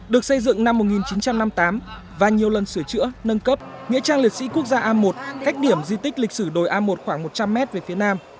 được xây dựng năm một nghìn chín trăm năm mươi tám và nhiều lần sửa chữa nâng cấp nghĩa trang liệt sĩ quốc gia a một cách điểm di tích lịch sử đồi a một khoảng một trăm linh m về phía nam